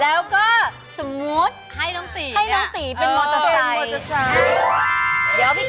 แล้วก็สมมุติให้น้องตีเป็นมอเตอร์ไซค์